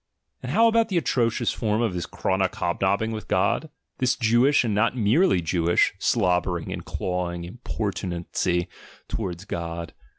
And how about the atrocious form of this chronic hobnobbing with God? This Jewish, and not merely Jewish, slobbering and clawing importunacy towards God!